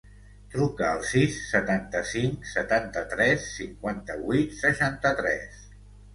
Truca al sis, setanta-cinc, setanta-tres, cinquanta-vuit, seixanta-tres.